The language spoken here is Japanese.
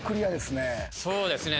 そうですね。